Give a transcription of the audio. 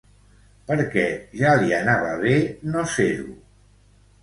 Per què ja li anava bé no ser-ho?